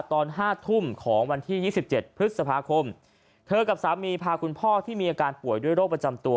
ตอนห้าทุ่มของวันที่๒๗พฤษภาคมเธอกับสามีพาคุณพ่อที่มีอาการป่วยด้วยโรคประจำตัว